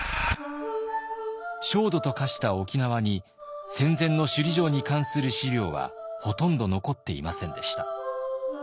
焦土と化した沖縄に戦前の首里城に関する資料はほとんど残っていませんでした。